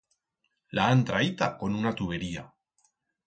La han traita con una tubería.